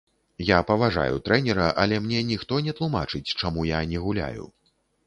Я паважаю трэнера, але мне ніхто не тлумачыць чаму я не гуляю.